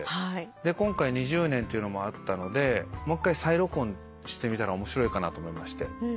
今回２０年っていうのもあったのでもう一回再録音してみたら面白いかなと思いまして。